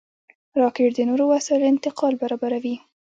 راکټ د نورو وسایلو انتقال برابروي